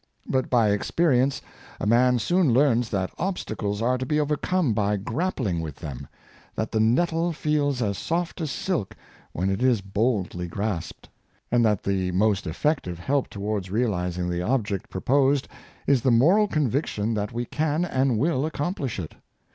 But by experience a man soon learns that ob stacles are to be overcome by grappling with them; that the nettle feels as soft as silk when it is boldly grasped; and that the most effective help towards real izing the object proposed is the moral conviction that we can and will accomplish it.